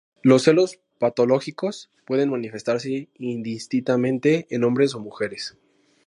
Los celos patológicos pueden manifestarse indistintamente en hombres o mujeres.